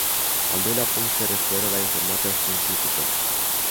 Al doilea punct se referă la informația științifică.